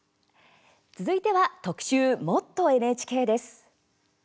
続いては特集「もっとＮＨＫ」です。